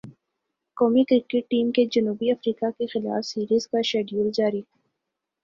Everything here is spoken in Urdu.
قومی کرکٹ ٹیم کے جنوبی افریقہ کیخلاف سیریز کا شیڈول جاری